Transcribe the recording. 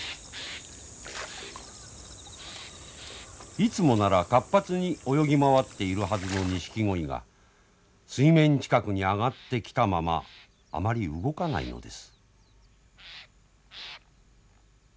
いつもなら活発に泳ぎ回っているはずのニシキゴイが水面近くに上がってきたままあまり動かないのです。